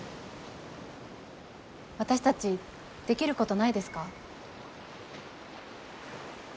私たちできることないですか？